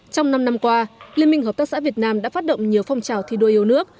trong năm năm qua liên minh hợp tác xã việt nam đã phát động nhiều phong trào thi đua yêu nước